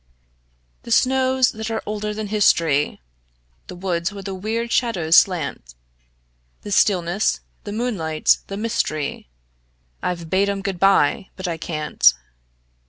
The snows that are older than history, The woods where the weird shadows slant; The stillness, the moonlight, the mystery, I've bade 'em good by but I can't.